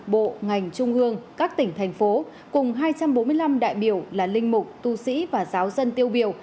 bộ ngành trung ương các tỉnh thành phố cùng hai trăm bốn mươi năm đại biểu là linh mục tu sĩ và giáo dân tiêu biểu